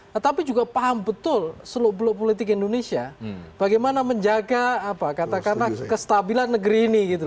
tetapi juga paham betul seluk beluk politik indonesia bagaimana menjaga apa katakanlah kestabilan negeri ini gitu